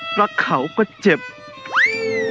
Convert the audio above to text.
แบบนี้ก็ได้